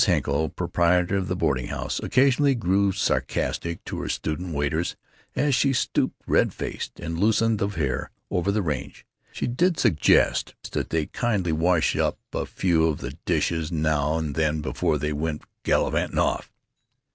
Henkel, proprietor of the boarding house, occasionally grew sarcastic to her student waiters as she stooped, red faced and loosened of hair, over the range; she did suggest that they "kindly wash up a few of the dishes now and then before they went gallivantin' off."